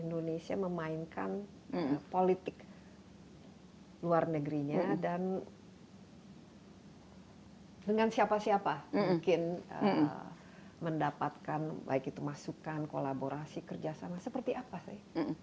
indonesia memainkan politik luar negerinya dan dengan siapa siapa mungkin mendapatkan baik itu masukan kolaborasi kerjasama seperti apa sih